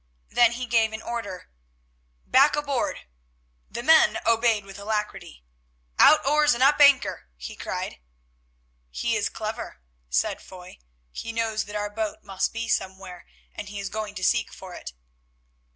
Then he gave an order, "Back aboard." The men obeyed with alacrity. "Out oars and up anchor!" he cried. "He is clever," said Foy; "he knows that our boat must be somewhere, and he is going to seek for it."